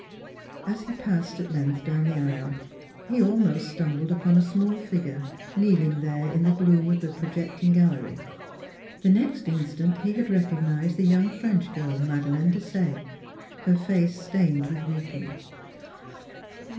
As he passed, at length, down the aisle he almost stumbled upon a small figure, kneeling there in the gloom of the projecting gallery. The 3 io NEIGHBORS next instant he had recognized the young French girl, Madeleine Desaye, her face stained with weeping.